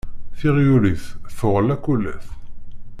Tiγyulit tuγ lakulat.